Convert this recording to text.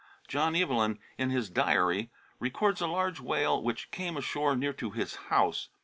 John Evelyn, in his Diary, re cords a large whale which came ashore near to his house.